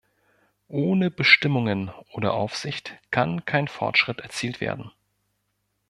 Ohne Bestimmungen oder Aufsicht kann kein Fortschritt erzielt werden.